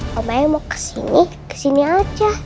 pokoknya mau kesini kesini aja